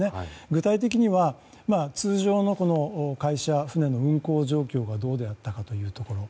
具体的には通常の会社船の運航状況がどうであったかというところ。